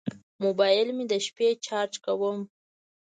موبایل مې د شپې چارج کوم.